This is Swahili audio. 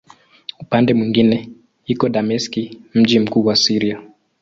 Upande mwingine iko Dameski, mji mkuu wa Syria.